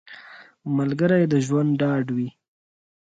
ملګری د ژوند ډاډ وي